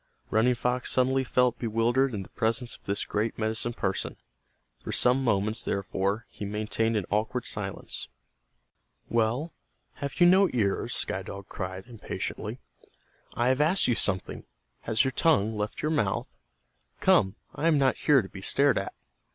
Running Fox suddenly felt bewildered in the presence of this great medicine person. For some moments, therefore, he maintained an awkward silence. "Well, have you no ears?" Sky Dog cried, impatiently. "I have asked you something. Has your tongue left your mouth? Come, I am not here to be stared at."